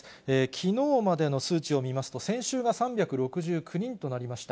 きのうまでの数値を見ますと、先週が３６９人となりました。